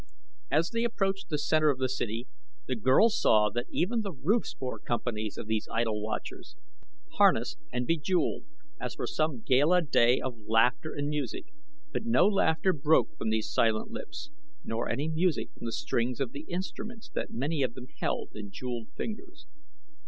As they approached the center of the city the girl saw that even the roofs bore companies of these idle watchers, harnessed and bejeweled as for some gala day of laughter and music, but no laughter broke from those silent lips, nor any music from the strings of the instruments that many of them held in jeweled fingers.